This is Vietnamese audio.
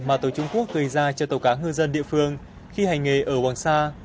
mà tàu trung quốc gây ra cho tàu cá ngư dân địa phương khi hành nghề ở hoàng sa